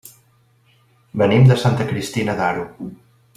Venim de Santa Cristina d'Aro.